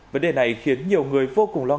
vấn đề này khiến nhiều người vô cùng khó khăn